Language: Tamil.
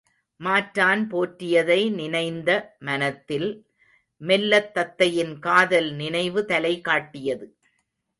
மாற்றான் போற்றியதை நினைந்த மனத்தில் மெல்லத் தத்தையின் காதல் நினைவு தலைகாட்டியது.